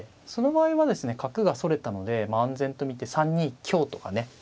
その場合はですね角がそれたので安全と見て３二香とかね。